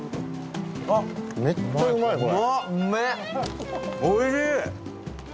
めっちゃうまい、これ。